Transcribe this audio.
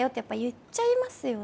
言っちゃいますよね。